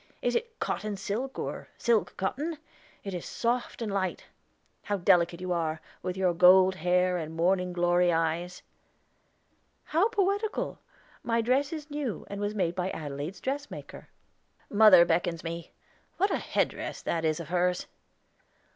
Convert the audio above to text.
"Is it cotton silk, or silk cotton? It is soft and light. How delicate you are, with your gold hair and morning glory eyes!" "How poetical! My dress is new, and was made by Adelaide's dressmaker." "Mother beckons me. What a headdress that is of hers!"